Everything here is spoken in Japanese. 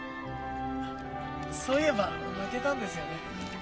そういえば負けたんですよね。